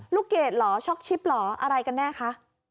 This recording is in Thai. เกรดเหรอช็อกชิปเหรออะไรกันแน่คะ